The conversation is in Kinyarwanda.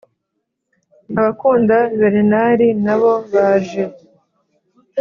abakunda berenari nabo baje